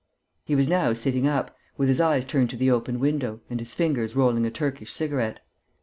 He was now sitting up, with his eyes turned to the open window and his fingers rolling a Turkish cigarette.